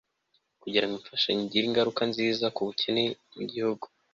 kugirango imfashanyo igire ingaruka nziza ku bukene mu bihugu byacu